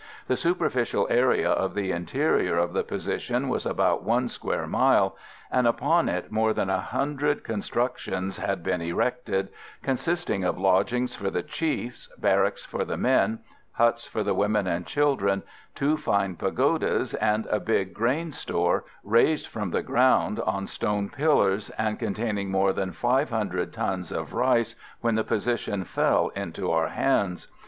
The superficial area of the interior of the position was about one square mile, and upon it more than a hundred constructions had been erected, consisting of lodgings for the chiefs, barracks for the men, huts for the women and children, two fine pagodas and a big grain store, raised from the ground on stone pillars, and containing more than 500 tons of rice when the position fell into our hands.